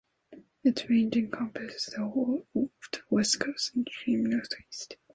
Its range encompasses the whole of the west coast and the extreme north-east.